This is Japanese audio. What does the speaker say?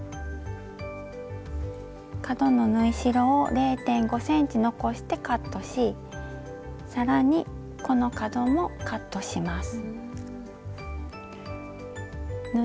角の縫い代を０．５ｃｍ残してカットし更にこの角もカットします。